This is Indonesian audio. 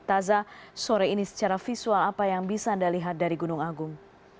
taza sore ini secara visual apa yang bisa anda lihat dari gunung agung